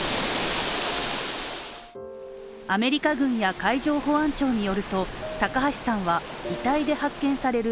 アメリカ軍や海上保安庁によると高橋さんは、遺体で発見される